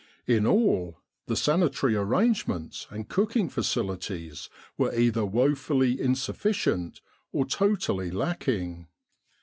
In all, the sanitary arrangements and cooking facilities were either woefully insufficient, or totally lacking.